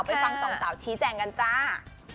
ฟังสองสาวชี้แจงกันจ้า